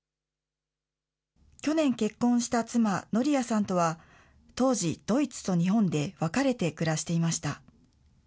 去年結婚した妻、ノリアさんとは、当時、ドイツと日本で別れて暮らしていました。